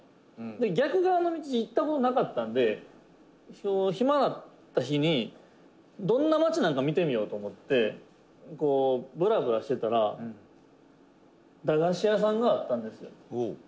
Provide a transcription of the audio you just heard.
「逆側の道に行った事なかったんで暇だった日に、どんな街なんか見てみようと思ってぶらぶらしてたら駄菓子屋さんがあったんですよ」